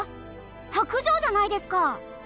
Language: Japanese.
薄情じゃないですか！